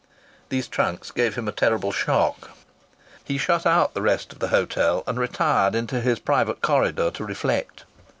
These trunks gave him a terrible shock. He shut out the rest of the hotel and retired into his private corridor to reflect.